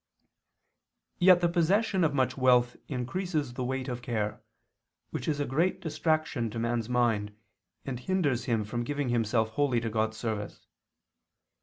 Yet the possession of much wealth increases the weight of care, which is a great distraction to man's mind and hinders him from giving himself wholly to God's service.